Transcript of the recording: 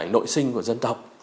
nội sinh của dân tộc